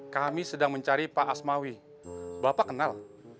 kami sedang mencari pak asmawi bapak kenal